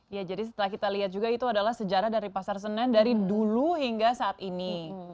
ya jadi setelah kita lihat juga itu adalah sejarah dari pasar senen dari dulu hingga saat ini